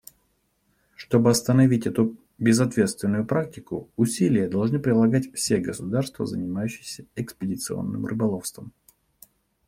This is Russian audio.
Чтобы остановить эту безответственную практику, усилия должны прилагать все государства, занимающиеся экспедиционным рыболовством.